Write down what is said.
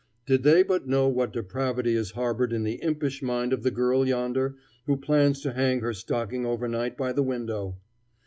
Did they but know what depravity is harbored in the impish mind of the girl yonder, who plans to hang her stocking overnight by the window!